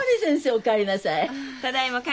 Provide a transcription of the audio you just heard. お帰りなさい。